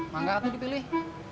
maka itu dipilih